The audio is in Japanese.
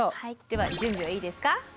では準備はいいですか？